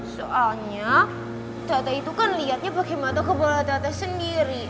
soalnya tata itu kan liatnya pake mata kepala tata sendiri